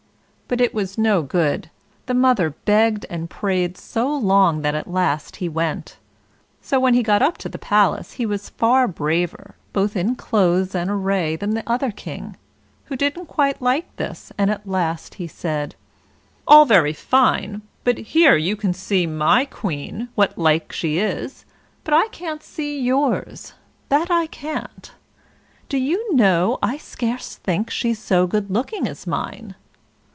But it was no good, the mother begged and prayed so long that at last he went. So when he got up to the palace he was far braver, both in clothes and array, than the other king, who didn't quite like this, and at last he said: "All very fine; but here you can see my Queen, what like she is, but I can't see yours: that I can't. Do you know, I scarce think she's so good looking as mine."